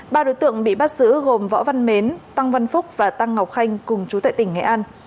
ba đối tượng bị bắt giữ gồm võ văn mến tăng văn phúc và tăng ngọc khanh cùng chú tại tỉnh nghệ an